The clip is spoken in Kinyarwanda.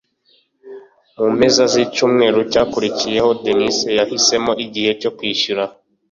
mu mpera z'icyumweru cyakurikiyeho, dennis yahisemo igihe cyo kwishyura